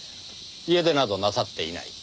家出などなさっていない。